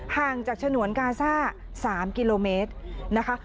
ห่างจากฉนวนกาซ่า๓กิโลเมตรนะคะ